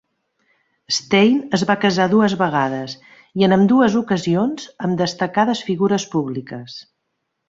Stein es va casar dues vegades, i en ambdues ocasions amb destacades figures públiques.